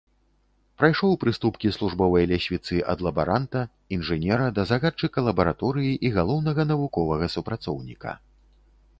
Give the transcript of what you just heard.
Прайшоў прыступкі службовай лесвіцы ад лабаранта, інжынера да загадчыка лабараторыі і галоўнага навуковага супрацоўніка.